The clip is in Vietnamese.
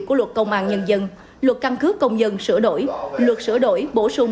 của luật công an nhân dân luật căn cước công dân sửa đổi luật sửa đổi bổ sung